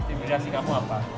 inspirasi kamu apa